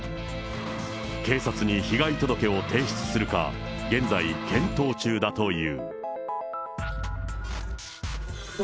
警察に被害届を提出するか、現在、検討中だという。